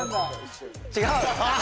違う。